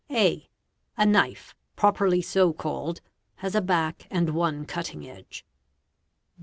(a) A knife, properly so called, has a back and one cutting edge.